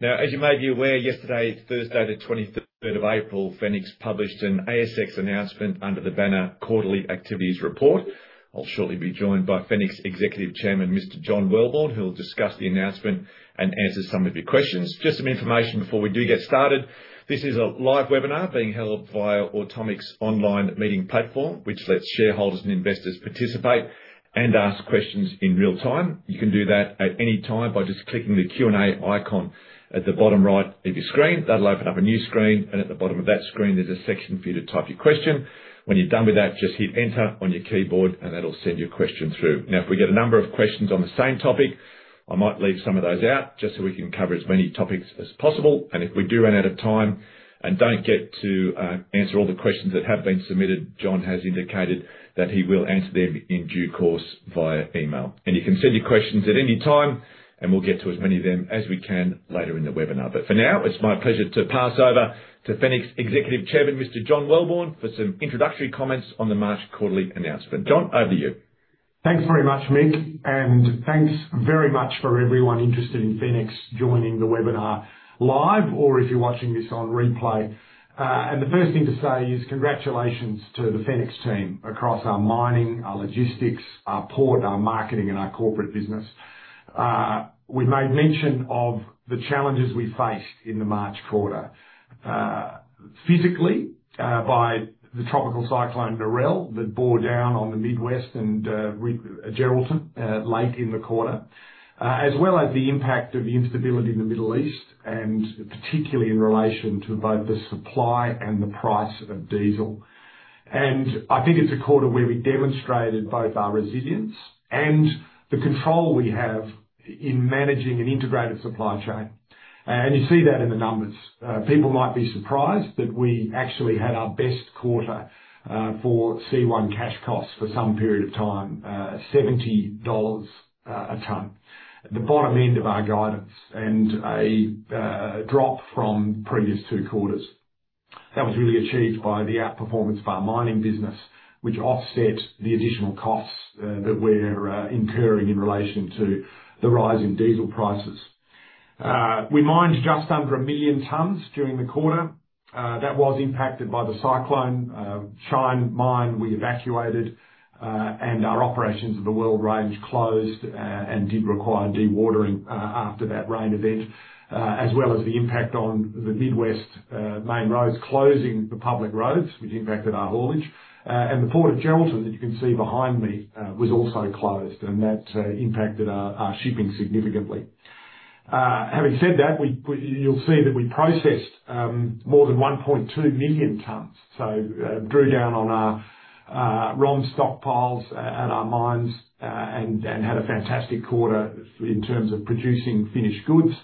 Now, as you may be aware, yesterday, Thursday, the 23rd of April, Fenix published an ASX announcement under the Banner Quarterly Activities Report. I'll shortly be joined by Fenix Executive Chairman, Mr. John Welborn, who will discuss the announcement and answer some of your questions. Just some information before we do get started. This is a live webinar being held via Automic's online meeting platform, which lets shareholders and investors participate and ask questions in real time. You can do that at any time by just clicking the Q&A icon at the bottom right of your screen. That'll open up a new screen, and at the bottom of that screen, there's a section for you to type your question. When you're done with that, just hit enter on your keyboard and that'll send your question through. Now, if we get a number of questions on the same topic, I might leave some of those out just so we can cover as many topics as possible. If we do run out of time and don't get to answer all the questions that have been submitted, John has indicated that he will answer them in due course via email. You can send your questions at any time, and we'll get to as many of them as we can later in the webinar. For now, it's my pleasure to pass over to Fenix Executive Chairman, Mr. John Welborn, for some introductory comments on the March quarterly announcement. John, over to you. Thanks very much, Mick, and thanks very much for everyone interested in Fenix joining the webinar live, or if you're watching this on replay. The first thing to say is congratulations to the Fenix team across our mining, our logistics, our port, our marketing, and our corporate business. We've made mention of the challenges we faced in the March quarter. Physically, by the Tropical Cyclone Narelle, that bore down on the Mid-West and Geraldton late in the quarter. As well as the impact of the instability in the Middle East, and particularly in relation to both the supply and the price of diesel. I think it's a quarter where we demonstrated both our resilience and the control we have in managing an integrated supply chain. You see that in the numbers. People might be surprised that we actually had our best quarter for C1 cash costs for some period of time, $70 a ton, the bottom end of our guidance and a drop from the previous two quarters. That was really achieved by the outperformance of our mining business, which offset the additional costs that we're incurring in relation to the rise in diesel prices. We mined just under a million tons during the quarter. That was impacted by the cyclone. Shine mine, we evacuated, and our operations of the Weld Range closed and did require dewatering after that rain event, as well as the impact on the Mid-West main roads closing the public roads, which impacted our haulage. The Port of Geraldton that you can see behind me was also closed, and that impacted our shipping significantly. Having said that, you'll see that we processed more than 1.2 million tons. Drew down on our ROM stockpiles at our mines, and had a fantastic quarter in terms of producing finished goods.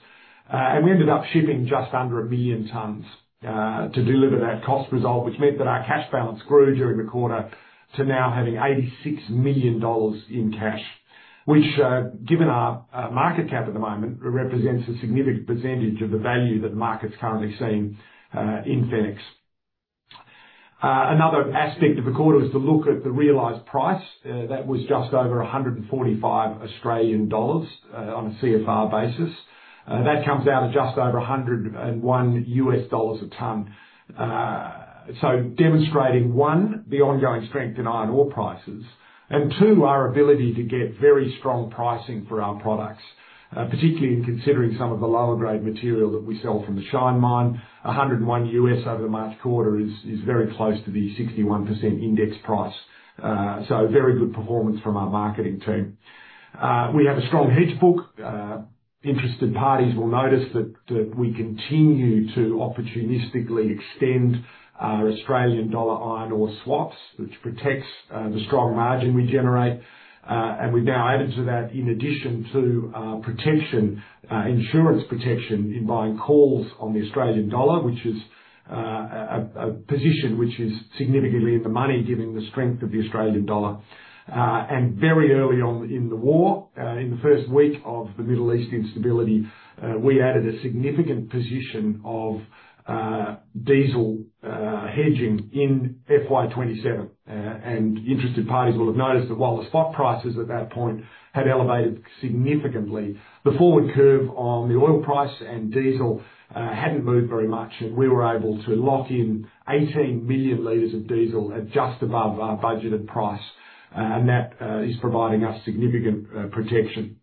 We ended up shipping just under a million tons to deliver that cost result, which meant that our cash balance grew during the quarter to now having 86 million dollars in cash. Which, given our market cap at the moment, represents a significant percentage of the value that the market's currently seeing in Fenix. Another aspect of the quarter was to look at the realized price. That was just over 145 Australian dollars on a CFR basis. That comes out at just over $101 a ton. Demonstrating, one, the ongoing strength in iron ore prices, and two, our ability to get very strong pricing for our products, particularly in considering some of the lower grade material that we sell from the Shine mine. $101 over the March quarter is very close to the 61% index price. Very good performance from our marketing team. We have a strong hedge book. Interested parties will notice that we continue to opportunistically extend our Australian dollar iron ore swaps, which protects the strong margin we generate. We've now added to that, in addition to protection, insurance protection in buying calls on the Australian dollar, which is a position which is significantly in the money given the strength of the Australian dollar. Very early on in the war, in the first week of the Middle East instability, we added a significant position of diesel hedging in FY 2027. Interested parties will have noticed that while the spot prices at that point had elevated significantly, the forward curve on the oil price and diesel hadn't moved very much. We were able to lock in 18 million liters of diesel at just above our budgeted price. That is providing us significant protection.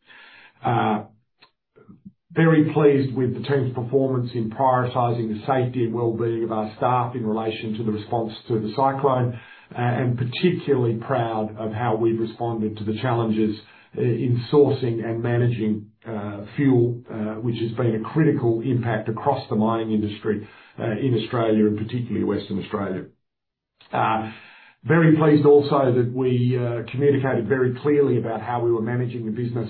Very pleased with the team's performance in prioritizing the safety and wellbeing of our staff in relation to the response to the cyclone. Particularly proud of how we've responded to the challenges in sourcing and managing fuel, which has been a critical impact across the mining industry, in Australia and particularly Western Australia. Very pleased also that we communicated very clearly about how we were managing the business.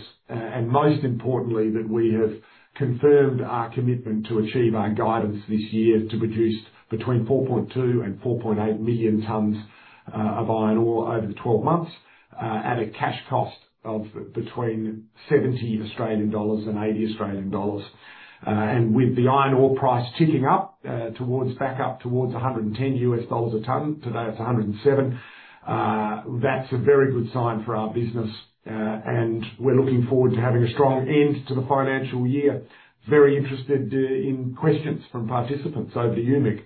Most importantly, that we have confirmed our commitment to achieve our guidance this year to produce between 4.2 million and 4.8 million tons of iron ore over the 12 months, at a cash cost of between 70 Australian dollars and 80 Australian dollars. With the iron ore price ticking up, back up towards 110 US dollars a ton. Today it's 107. That's a very good sign for our business. We're looking forward to having a strong end to the financial year. Very interested in questions from participants. Over to you, Mick.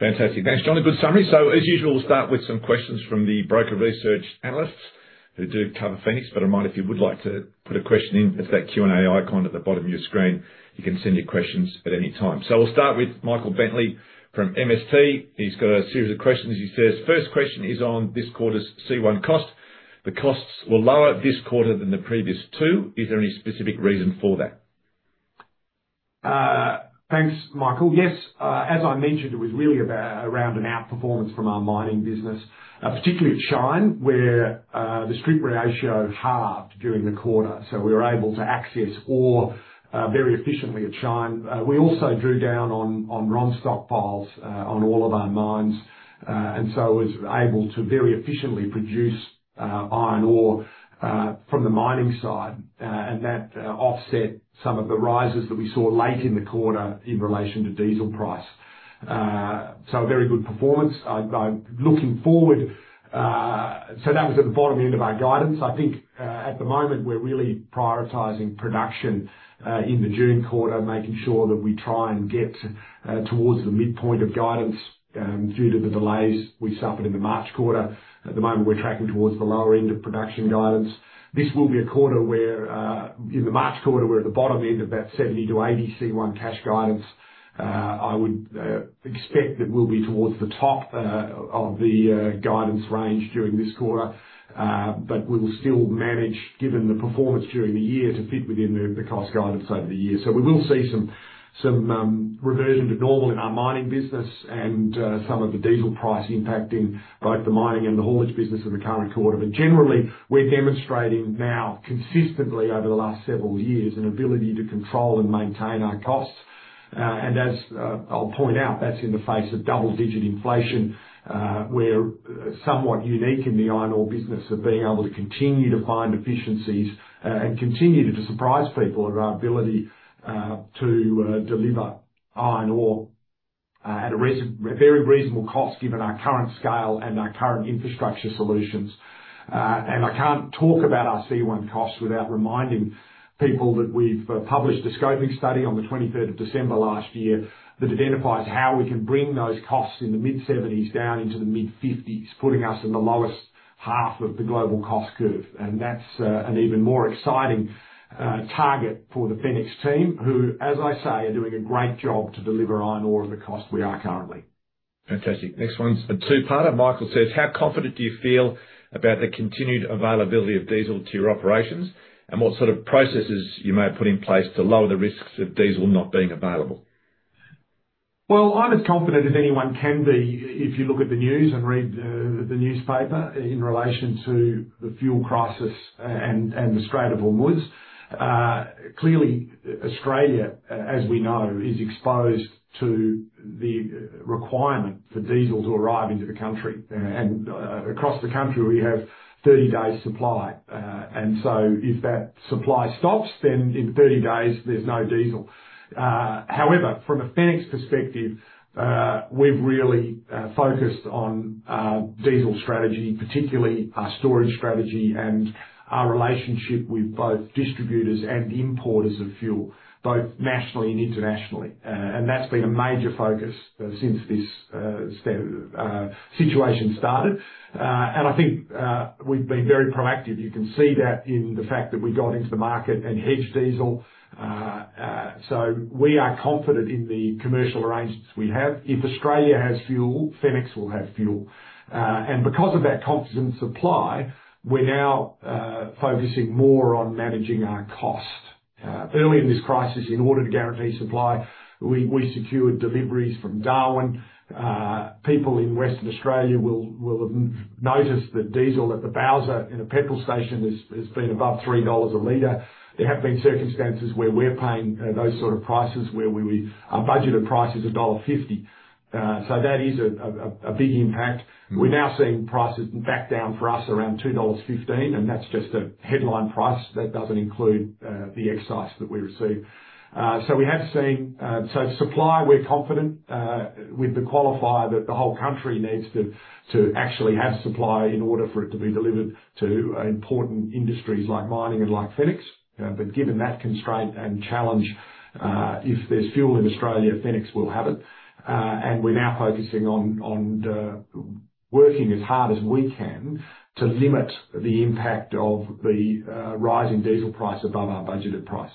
Fantastic. Thanks, John. Good summary. As usual, we'll start with some questions from the broker research analysts who do cover Fenix. A reminder, if you would like to put a question in, there's that Q&A icon at the bottom of your screen. You can send your questions at any time. We'll start with Michael Bentley from MST. He's got a series of questions. He says first question is on this quarter's C1 cost. The costs were lower this quarter than the previous two. Is there any specific reason for that? Thanks, Michael. Yes, as I mentioned, it was really around an outperformance from our mining business, particularly at Shine, where the strip ratio halved during the quarter. We were able to access ore very efficiently at Shine. We also drew down on raw stockpiles on all of our mines, and so was able to very efficiently produce iron ore from the mining side. That offset some of the rises that we saw late in the quarter in relation to diesel price. A very good performance. Looking forward, that was at the bottom end of our guidance. I think at the moment, we're really prioritizing production, in the June quarter, making sure that we try and get towards the midpoint of guidance, due to the delays we suffered in the March quarter. At the moment, we're tracking towards the lower end of production guidance. This will be a quarter where, in the March quarter, we're at the bottom end of that 70-80 C1 cash guidance. I would expect that we'll be towards the top of the guidance range during this quarter, but we will still manage, given the performance during the year, to fit within the cost guidance over the year. We will see some reversion to normal in our mining business and some of the diesel price impacting both the mining and the haulage business in the current quarter. Generally, we're demonstrating now consistently over the last several years, an ability to control and maintain our costs. As I'll point out, that's in the face of double-digit inflation. We're somewhat unique in the iron ore business of being able to continue to find efficiencies, and continue to surprise people of our ability to deliver iron ore at a very reasonable cost given our current scale and our current infrastructure solutions. I can't talk about our C1 costs without reminding people that we've published a scoping study on the 23rd of December last year that identifies how we can bring those costs in the mid-70s down into the mid-50s, putting us in the lowest half of the global cost curve. That's an even more exciting target for the Fenix team, who, as I say, are doing a great job to deliver iron ore at the cost we are currently. Fantastic. Next one's a two-parter. Michael says, how confident do you feel about the continued availability of diesel to your operations? What sort of processes you may have put in place to lower the risks of diesel not being available? Well, I'm as confident as anyone can be if you look at the news and read the newspaper in relation to the fuel crisis and the Strait of Hormuz. Clearly, Australia, as we know, is exposed to the requirement for diesel to arrive into the country. Across the country, we have 30 days supply. If that supply stops, then in 30 days there's no diesel. However, from a Fenix perspective, we've really focused on diesel strategy, particularly our storage strategy and our relationship with both distributors and importers of fuel, both nationally and internationally. That's been a major focus since this situation started. I think we've been very proactive. You can see that in the fact that we got into the market and hedged diesel. We are confident in the commercial arrangements we have. If Australia has fuel, Fenix will have fuel. Because of that confident supply, we're now focusing more on managing our cost. Early in this crisis in order to guarantee supply, we secured deliveries from Darwin. People in Western Australia will have noticed the diesel at the bowser in a petrol station has been above 3 dollars a liter. There have been circumstances where we're paying those sort of prices where our budgeted price is dollar 1.50. That is a big impact. We're now seeing prices back down for us around 2.15 dollars, and that's just a headline price. That doesn't include the excise that we receive. Supply, we're confident, with the qualifier that the whole country needs to actually have supply in order for it to be delivered to important industries like mining and like Fenix. Given that constraint and challenge, if there's fuel in Australia, Fenix will have it. We're now focusing on working as hard as we can to limit the impact of the rising diesel price above our budgeted price.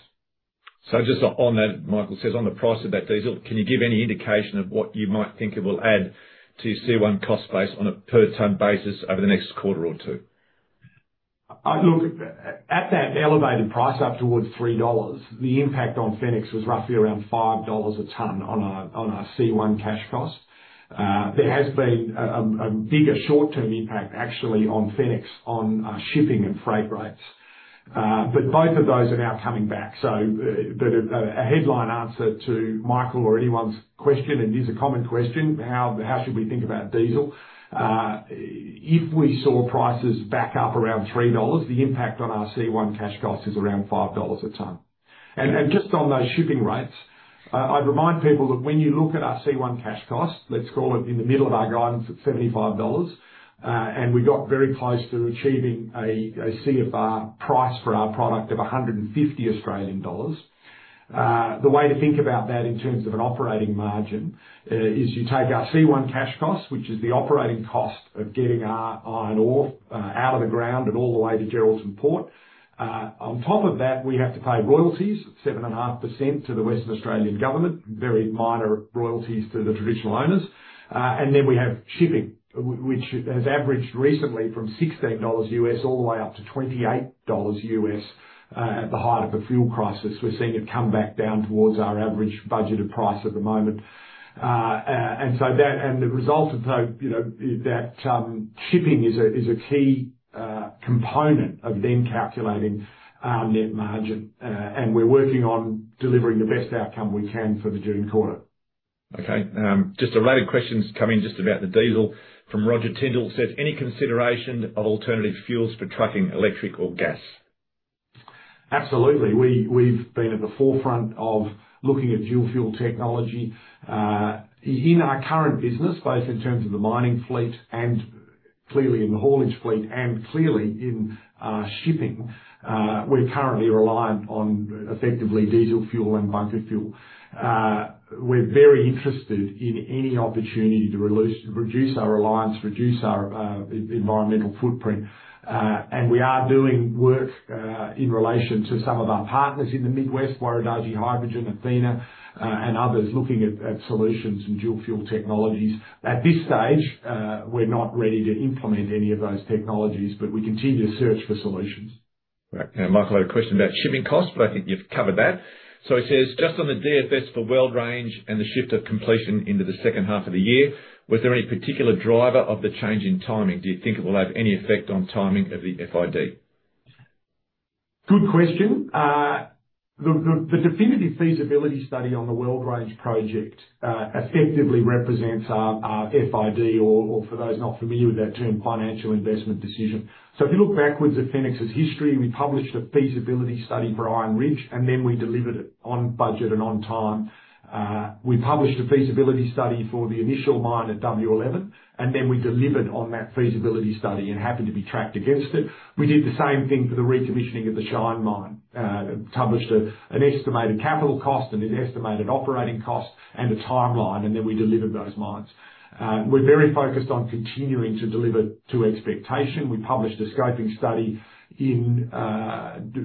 Just on that, Michael says, on the price of that diesel, can you give any indication of what you might think it will add to C1 cash costs on a per ton basis over the next quarter or two? Look, at that elevated price up towards 3 dollars, the impact on Fenix was roughly around 5 dollars a ton on our C1 cash cost. There has been a bigger short-term impact actually on Fenix on shipping and freight rates. Both of those are now coming back. A headline answer to Michael or anyone's question, and it is a common question, how should we think about diesel? If we saw prices back up around 3 dollars, the impact on our C1 cash cost is around 5 dollars a ton. Just on those shipping rates, I'd remind people that when you look at our C1 cash cost, let's call it in the middle of our guidance at 75 dollars. We got very close to achieving a CFR price for our product of 150 Australian dollars. The way to think about that in terms of an operating margin is you take our C1 cash cost, which is the operating cost of getting our iron ore out of the ground and all the way to Geraldton Port. On top of that, we have to pay royalties of 7.5% to the Western Australian government, very minor royalties to the traditional owners. Then we have shipping, which has averaged recently from $16 all the way up to $28 at the height of the fuel crisis. We're seeing it come back down towards our average budgeted price at the moment. The result of that shipping is a key component of then calculating our net margin. We're working on delivering the best outcome we can for the June quarter. Okay. Just a load of questions coming just about the diesel from Roger Tindall. Says, "Any consideration of alternative fuels for trucking, electric or gas? Absolutely. We've been at the forefront of looking at dual fuel technology. In our current business, both in terms of the mining fleet and clearly in the haulage fleet, and clearly in shipping, we're currently reliant on effectively diesel fuel and bunker fuel. We're very interested in any opportunity to reduce our reliance, reduce our environmental footprint. We are doing work in relation to some of our partners in the Mid-West, Warradarge Hydrogen, Athena, and others, looking at solutions and dual fuel technologies. At this stage, we're not ready to implement any of those technologies, but we continue to search for solutions. Right. Now, Michael had a question about shipping costs, but I think you've covered that. He says, "Just on the DFS for Weld Range and the shift of completion into the second half of the year, was there any particular driver of the change in timing? Do you think it will have any effect on timing of the FID? Good question. The definitive feasibility study on the Weld Range project effectively represents our FID or for those not familiar with that term, financial investment decision. If you look backwards at Fenix's history, we published a feasibility study for Iron Ridge, and then we delivered it on budget and on time. We published a feasibility study for the initial mine at W11, and then we delivered on that feasibility study and we're happy to be tracked against it. We did the same thing for the recommissioning of the Shine mine, published an estimated capital cost, and an estimated operating cost, and a timeline, and then we delivered those mines. We're very focused on continuing to deliver to expectation. We published a scoping study in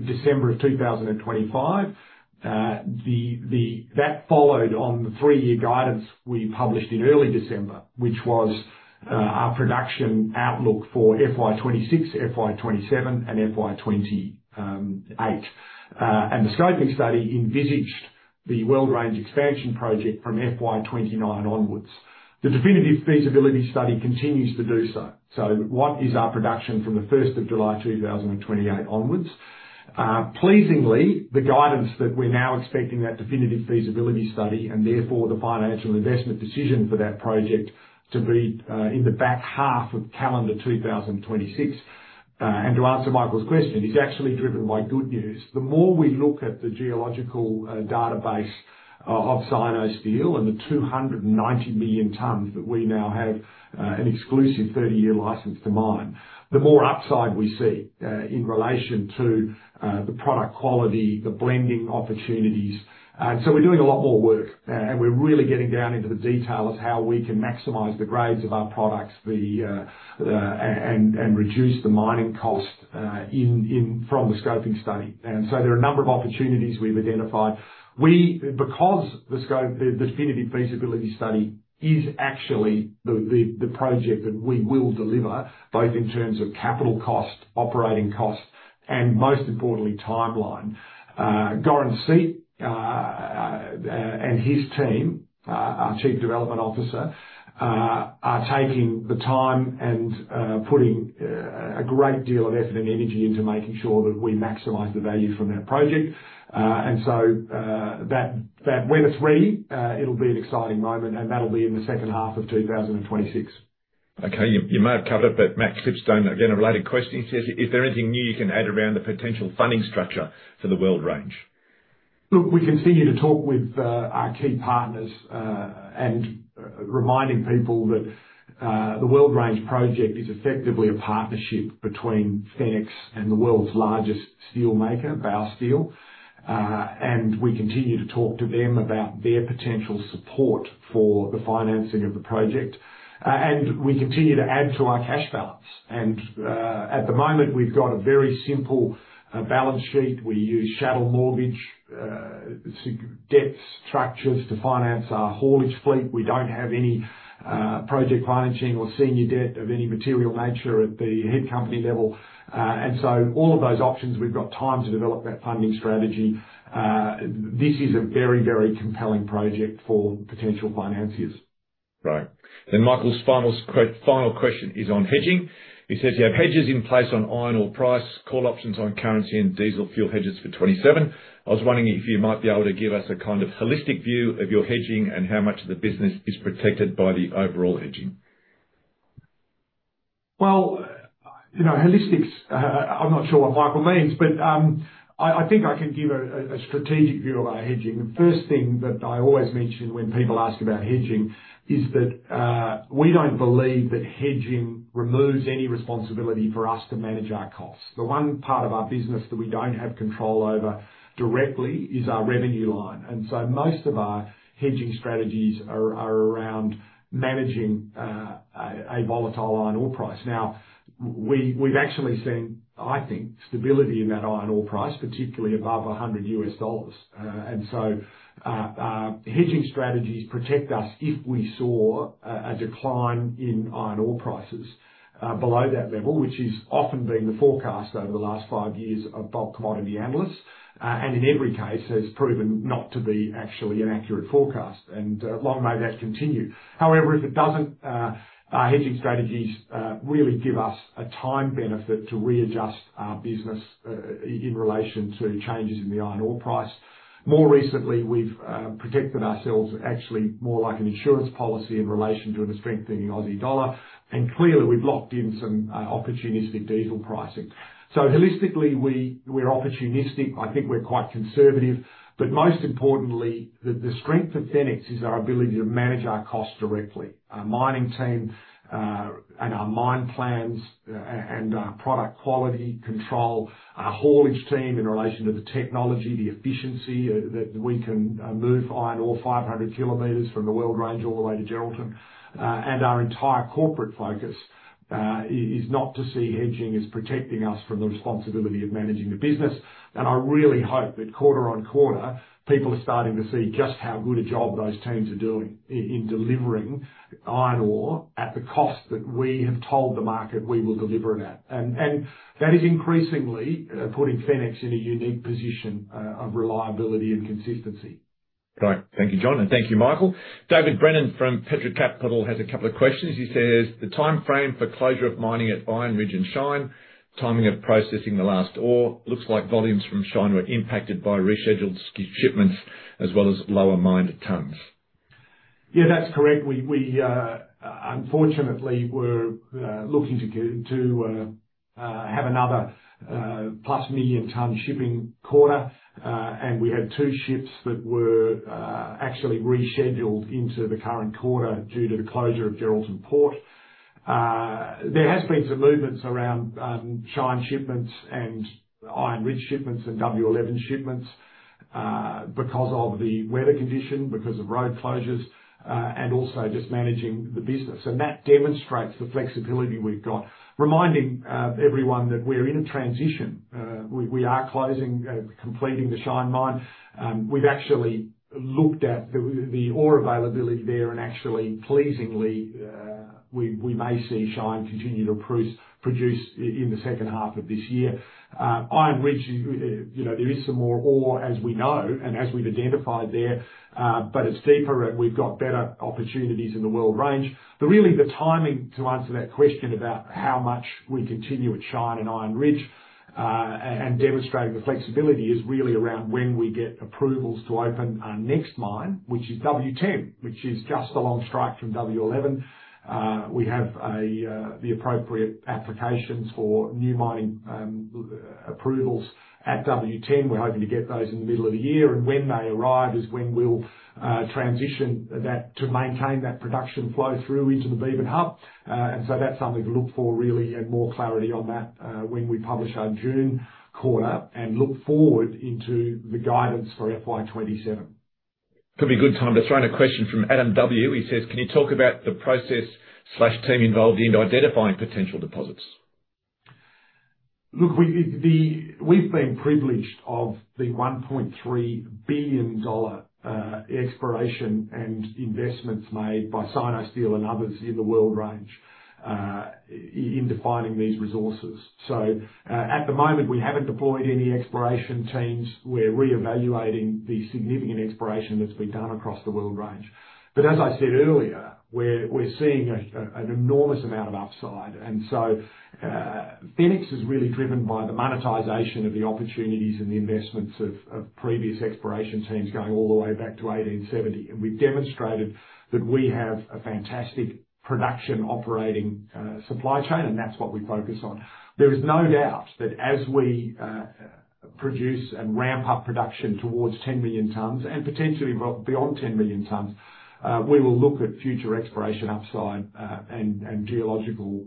December of 2025. That followed on the three-year guidance we published in early December, which was our production outlook for FY 2026, FY 2027, and FY 2028. The scoping study envisaged the Weld Range expansion project from FY 2029 onwards. The definitive feasibility study continues to do so. What is our production from the 1st of July 2028 onwards? Pleasingly, the guidance that we're now expecting that definitive feasibility study, and therefore the financial investment decision for that project to be in the back half of calendar 2026. To answer Michael's question, it's actually driven by good news. The more we look at the geological database of Sinosteel and the 290 million tons that we now have an exclusive 30-year license to mine, the more upside we see in relation to the product quality, the blending opportunities. We're doing a lot more work, and we're really getting down into the detail of how we can maximize the grades of our products and reduce the mining cost from the scoping study. There are a number of opportunities we've identified. Because the definitive feasibility study is actually the project that we will deliver, both in terms of capital cost, operating cost, and most importantly, timeline. Goran Seat and his team, our Chief Development Officer, are taking the time and putting a great deal of effort and energy into making sure that we maximize the value from that project. When it's ready, it'll be an exciting moment, and that'll be in the second half of 2026. Okay. You may have covered it, but Max Clipstone, again, a related question. He says, "Is there anything new you can add around the potential funding structure for the Weld Range? Look, we continue to talk with our key partners, and reminding people that the Weld Range project is effectively a partnership between Fenix and the world's largest steelmaker, Baosteel. We continue to talk to them about their potential support for the financing of the project. We continue to add to our cash balance. At the moment, we've got a very simple balance sheet. We use chattel mortgage debt structures to finance our haulage fleet. We don't have any project financing or senior debt of any material nature at the head company level. All of those options, we've got time to develop that funding strategy. This is a very compelling project for potential financiers. Right. Michael's final question is on hedging. He says, "You have hedges in place on iron ore price, call options on currency and diesel fuel hedges for 2027. I was wondering if you might be able to give us a kind of holistic view of your hedging and how much of the business is protected by the overall hedging. Well, holistics, I'm not sure what Michael means, but I think I can give a strategic view of our hedging. The first thing that I always mention when people ask about hedging is that we don't believe that hedging removes any responsibility for us to manage our costs. The one part of our business that we don't have control over directly is our revenue line. Most of our hedging strategies are around managing a volatile iron ore price. Now, we've actually seen, I think, stability in that iron ore price, particularly above $100. Hedging strategies protect us if we saw a decline in iron ore prices below that level, which has often been the forecast over the last five years of bulk commodity analysts. In every case, has proven not to be actually an accurate forecast. Long may that continue. However, if it doesn't, our hedging strategies really give us a time benefit to readjust our business in relation to changes in the iron ore price. More recently, we've protected ourselves actually more like an insurance policy in relation to the strengthening Aussie dollar. Clearly we've locked in some opportunistic diesel pricing. Holistically, we're opportunistic. I think we're quite conservative. Most importantly, the strength of Fenix is our ability to manage our costs directly. Our mining team, and our mine plans, and our product quality control, our haulage team in relation to the technology, the efficiency that we can move iron ore 500 km from the Weld Range all the way to Geraldton. Our entire corporate focus is not to see hedging as protecting us from the responsibility of managing the business. I really hope that quarter-over-quarter, people are starting to see just how good a job those teams are doing in delivering iron ore at the cost that we have told the market we will deliver it at. That is increasingly putting Fenix in a unique position of reliability and consistency. Great. Thank you, John, and thank you, Michael. David Brennan from Petra Capital has a couple of questions. He says, "The timeframe for closure of mining at Iron Ridge and Shine, timing of processing the last ore looks like volumes from Shine were impacted by rescheduled shipments as well as lower mined tons. Yeah. That's correct. We unfortunately were looking to have another plus million ton shipping quarter. We had two ships that were actually rescheduled into the current quarter due to the closure of Geraldton Port. There has been some movements around Shine shipments and Iron Ridge shipments and W11 shipments because of the weather condition, because of road closures, and also just managing the business. That demonstrates the flexibility we've got. Reminding everyone that we're in a transition. We are closing, completing the Shine mine. We've actually looked at the ore availability there and actually pleasingly, we may see Shine continue to produce in the second half of this year. Iron Ridge, there is some more ore as we know and as we've identified there, but it's deeper and we've got better opportunities in the Weld Range. Really the timing to answer that question about how much we continue at Shine and Iron Ridge, and demonstrating the flexibility is really around when we get approvals to open our next mine, which is W10. Which is just along strike from W11. We have the appropriate applications for new mining approvals at W10. We're hoping to get those in the middle of the year. When they arrive is when we'll transition that to maintain that production flow through into the Beebyn Hub. That's something to look for really, and more clarity on that when we publish our June quarter and look forward into the guidance for FY 2027. Could be a good time to throw in a question from Adam W. He says, "Can you talk about the process/team involved in identifying potential deposits? Look, we've been privileged of the 1.3 billion dollar exploration and investments made by Sinosteel and others in the Weld Range in defining these resources. At the moment, we haven't deployed any exploration teams. We're reevaluating the significant exploration that's been done across the Weld Range. As I said earlier, we're seeing an enormous amount of upside. Fenix is really driven by the monetization of the opportunities and the investments of previous exploration teams going all the way back to 1870. We've demonstrated that we have a fantastic production operating supply chain, and that's what we focus on. There is no doubt that as we produce and ramp up production towards 10 million tonnes, and potentially beyond 10 million tonnes, we will look at future exploration upside and geological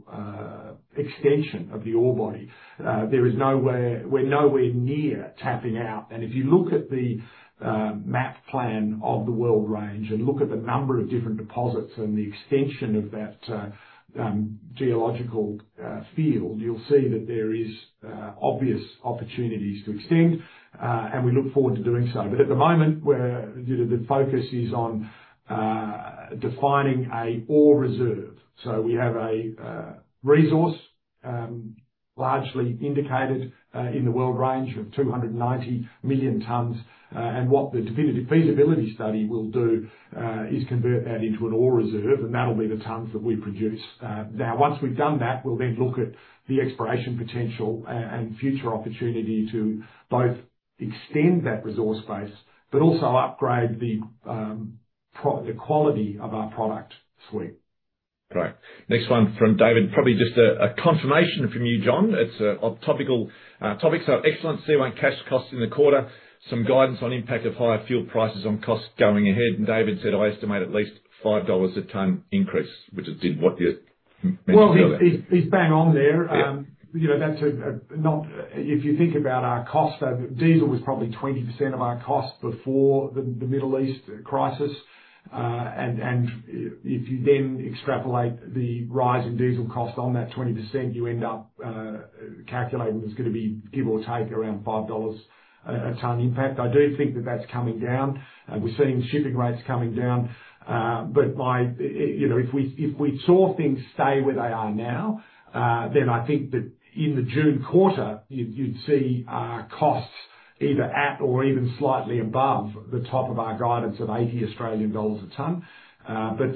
extension of the ore body. We're nowhere near tapping out. If you look at the map plan of the Weld Range and look at the number of different deposits and the extension of that geological field, you'll see that there is obvious opportunities to extend. We look forward to doing so. At the moment, the focus is on defining an ore reserve. We have a resource largely indicated in the Weld Range of 290 million tonnes. What the definitive feasibility study will do is convert that into an ore reserve, and that'll be the tonnes that we produce. Now, once we've done that, we'll then look at the exploration potential and future opportunity to both extend that resource base, but also upgrade the quality of our product suite. Great. Next one from David, probably just a confirmation from you, John. It's on topics of excellent C1 cash costs in the quarter, some guidance on impact of higher fuel prices on costs going ahead, and David said, "I estimate at least 5 dollars a ton increase," which it did. What's your mention on that? Well, he's bang on there. If you think about our cost, diesel was probably 20% of our cost before the Middle East crisis. If you then extrapolate the rise in diesel cost on that 20%, you end up calculating it's going to be give or take around 5 dollars a ton impact. I do think that that's coming down. We're seeing shipping rates coming down. If we saw things stay where they are now, then I think that in the June quarter, you'd see our costs either at or even slightly above the top of our guidance of 80 Australian dollars a ton.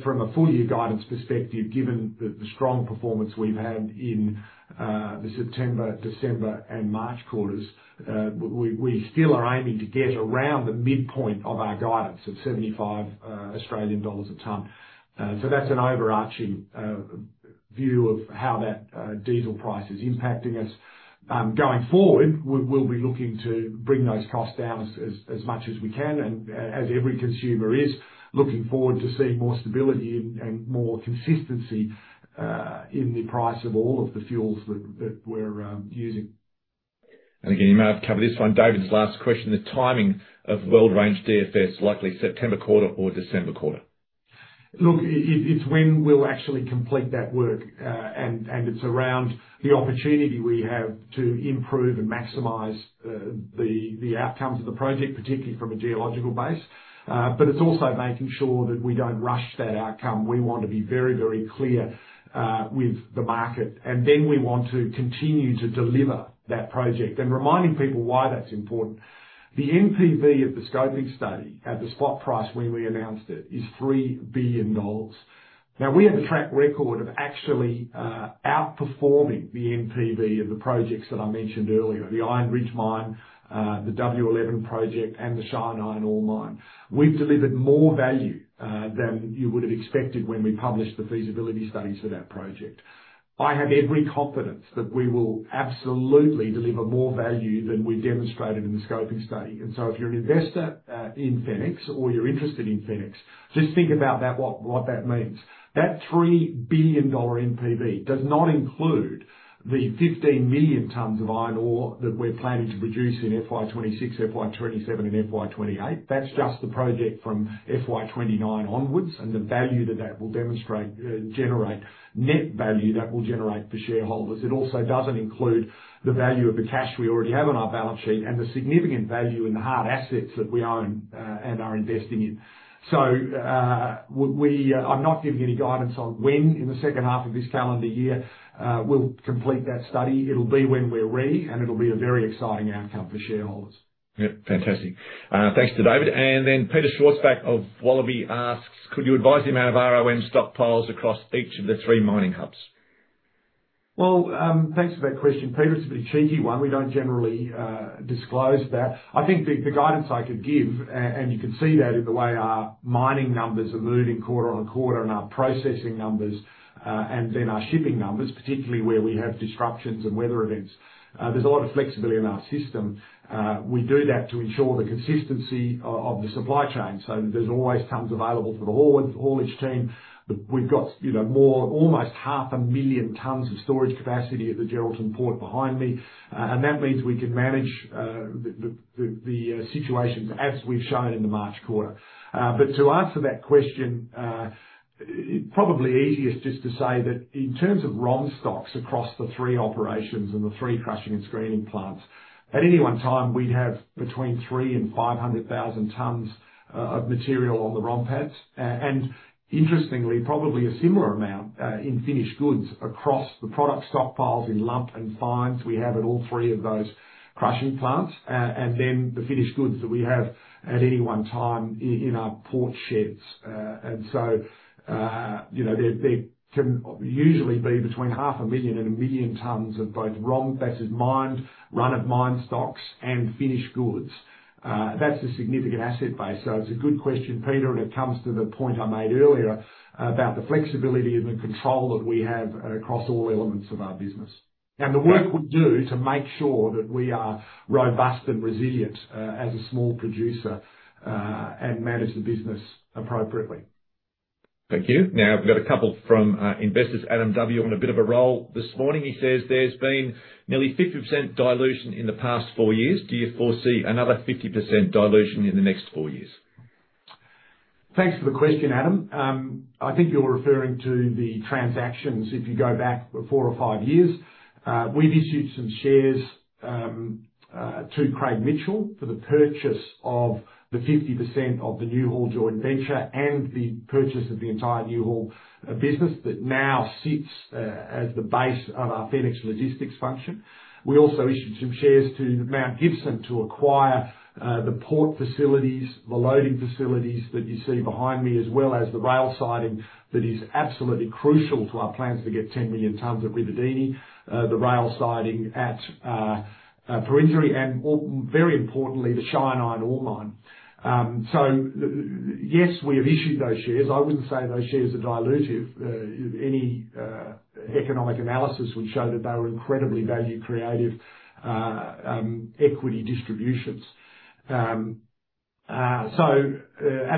From a full year guidance perspective, given the strong performance we've had in the September, December, and March quarters, we still are aiming to get around the midpoint of our guidance of 75 Australian dollars a ton. That's an overarching view of how that diesel price is impacting us. Going forward, we'll be looking to bring those costs down as much as we can and as every consumer is looking forward to seeing more stability and more consistency in the price of all of the fuels that we're using. Again, you may have covered this one. David's last question: the timing of Weld Range DFS, likely September quarter or December quarter? Look, it's when we'll actually complete that work. It's around the opportunity we have to improve and maximize the outcomes of the project, particularly from a geological base. It's also making sure that we don't rush that outcome. We want to be very, very clear with the market. We want to continue to deliver that project, reminding people why that's important, the NPV of the scoping study at the spot price when we announced it is 3 billion dollars. Now, we have a track record of actually outperforming the NPV of the projects that I mentioned earlier, the Iron Ridge Mine, the W11 project, and the Shine Iron Ore Mine. We've delivered more value than you would have expected when we published the feasibility studies for that project. I have every confidence that we will absolutely deliver more value than we demonstrated in the scoping study. If you're an investor in Fenix or you're interested in Fenix, just think about what that means. That 3 billion dollar NPV does not include the 15 million tons of iron ore that we're planning to produce in FY 2026, FY 2027, and FY 2028. That's just the project from FY 2029 onwards and the value that that will generate, net value that will generate for shareholders. It also doesn't include the value of the cash we already have on our balance sheet and the significant value in the hard assets that we own and are investing in. I'm not giving any guidance on when in the second half of this calendar year we'll complete that study. It'll be when we're ready, and it'll be a very exciting outcome for shareholders. Yeah. Fantastic. Thanks to David. Peter Schwarzbach of Wallabi asks, "Could you advise the amount of ROM stockpiles across each of the three mining hubs? Well, thanks for that question, Peter. It's a bit of a cheeky one. We don't generally disclose that. I think the guidance I could give, and you can see that in the way our mining numbers are moving quarter-over-quarter and our processing numbers, and then our shipping numbers, particularly where we have disruptions and weather events. There's a lot of flexibility in our system. We do that to ensure the consistency of the supply chain so that there's always tons available for the haulage team. We've got almost 500,000 tons of storage capacity at the Geraldton Port behind me. That means we can manage the situations as we've shown in the March quarter. To answer that question, probably easiest just to say that in terms of ROM stocks across the three operations and the three crushing and screening plants, at any one time, we have between 300,000 and 500,000 tons of material on the ROM pads. Interestingly, probably a similar amount in finished goods across the product stockpiles in lump and fines we have at all three of those crushing plants. Then the finished goods that we have at any one time in our port sheds. There can usually be between 500,000 and 1 million tons of both ROM, that is mined, run-of-mine stocks, and finished goods. That's a significant asset base. It's a good question, Peter. It comes to the point I made earlier about the flexibility and the control that we have across all elements of our business. The work we do to make sure that we are robust and resilient as a small producer, and manage the business appropriately. Thank you. Now I've got a couple from investors. Adam W. on a bit of a roll this morning. He says, "There's been nearly 50% dilution in the past four years. Do you foresee another 50% dilution in the next four years? Thanks for the question, Adam. I think you're referring to the transactions, if you go back four or five years. We've issued some shares to Craig Mitchell for the purchase of the 50% of the Newhaul joint venture and the purchase of the entire Newhaul business that now sits as the base of our Fenix logistics function. We also issued some shares to Mount Gibson to acquire the port facilities, the loading facilities that you see behind me, as well as the rail siding that is absolutely crucial to our plans to get 10 million tonnes at Ruvidini, the rail siding at Perenjori, and very importantly, the Shine Iron Ore Mine. Yes, we have issued those shares. I wouldn't say those shares are dilutive. Any economic analysis would show that they were incredibly value-creative equity distributions. At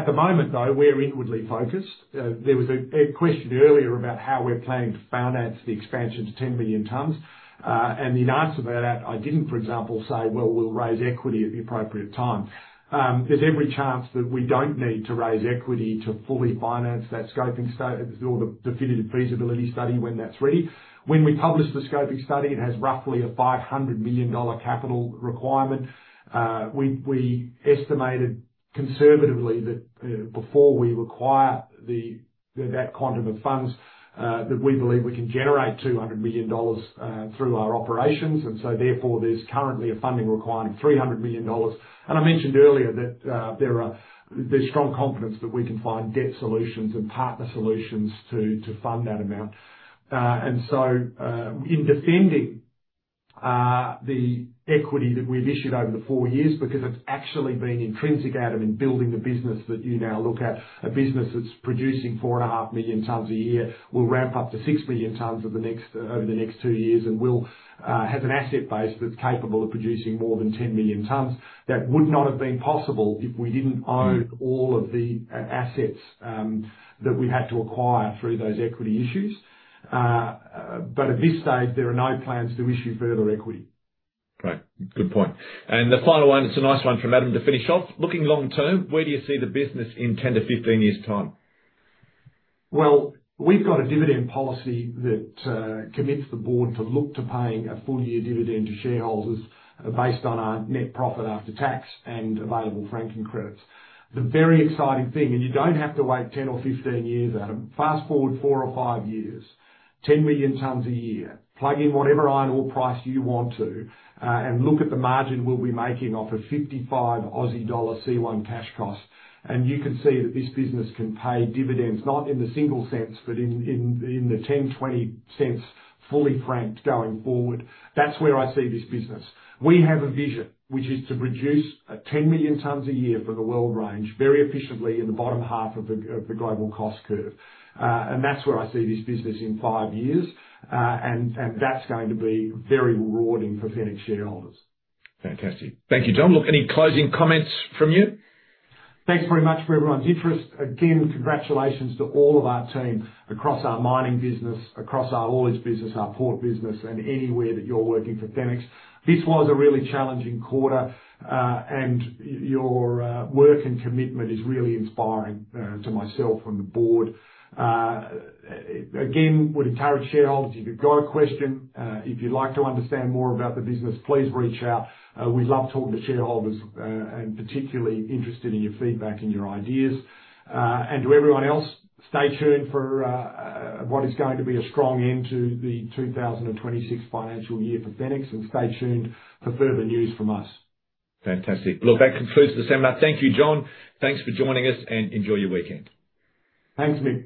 the moment, though, we're inwardly focused. There was a question earlier about how we're planning to finance the expansion to 10 million tons. In answer to that, I didn't, for example, say, "Well, we'll raise equity at the appropriate time." There's every chance that we don't need to raise equity to fully finance that scoping study, or the definitive feasibility study, when that's ready. When we published the scoping study, it has roughly an 500 million dollar capital requirement. We estimated conservatively that before we require that quantum of funds, that we believe we can generate 200 million dollars through our operations. Therefore, there's currently a funding requirement of 300 million dollars. I mentioned earlier that there's strong confidence that we can find debt solutions and partner solutions to fund that amount. in defending the equity that we've issued over the four years, because it's actually been intrinsic, Adam, in building the business that you now look at. A business that's producing 4.5 million tons a year, will ramp up to 6 million tons over the next two years, and has an asset base that's capable of producing more than 10 million tons. That would not have been possible if we didn't own all of the assets that we had to acquire through those equity issues. at this stage, there are no plans to issue further equity. Great. Good point. The final one, it's a nice one from Adam to finish off. Looking long term, where do you see the business in 10-15 years' time? Well, we've got a dividend policy that commits the board to look to paying a full year dividend to shareholders based on our net profit after tax and available franking credits. The very exciting thing, and you don't have to wait 10 or 15 years, Adam. Fast-forward four or five years, 10 million tons a year, plug in whatever iron ore price you want to, and look at the margin we'll be making off of 55 Aussie dollar C1 cash cost. You can see that this business can pay dividends, not in the single cents, but in the 0.10, 0.20 fully franked going forward. That's where I see this business. We have a vision which is to produce 10 million tons a year for the Weld Range very efficiently in the bottom half of the global cost curve. That's where I see this business in five years, and that's going to be very rewarding for Fenix shareholders. Fantastic. Thank you, John. Look, any closing comments from you? Thanks very much for everyone's interest. Again, congratulations to all of our team across our mining business, across our haulage business, our port business, and anywhere that you're working for Fenix. This was a really challenging quarter, and your work and commitment is really inspiring to myself and the board. Again, I would encourage shareholders if you've got a question, if you'd like to understand more about the business, please reach out. We love talking to shareholders and particularly interested in your feedback and your ideas. To everyone else, stay tuned for what is going to be a strong end to the 2026 financial year for Fenix, and stay tuned for further news from us. Fantastic. Look, that concludes the seminar. Thank you, John. Thanks for joining us, and enjoy your weekend. Thanks, Mick.